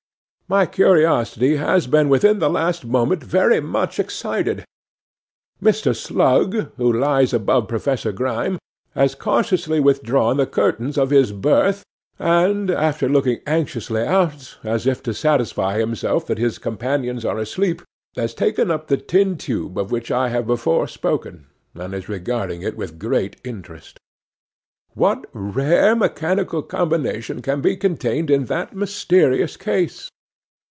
'My curiosity has been within the last moment very much excited. Mr. Slug, who lies above Professor Grime, has cautiously withdrawn the curtains of his berth, and, after looking anxiously out, as if to satisfy himself that his companions are asleep, has taken up the tin tube of which I have before spoken, and is regarding it with great interest. What rare mechanical combination can be contained in that mysterious case?